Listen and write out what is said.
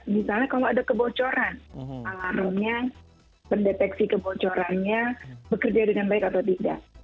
misalnya kalau ada kebocoran alarmnya pendeteksi kebocorannya bekerja dengan baik atau tidak